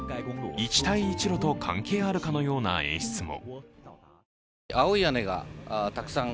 一帯一路と関係あるかのような演出も。